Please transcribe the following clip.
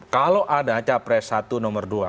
kalau ada capres satu nomor dua